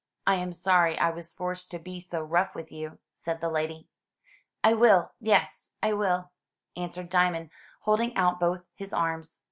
I am sorry I was forced to be so rough with you," said the lady. "I will; yes, I will,*' answered Diamond, holding out both his arms.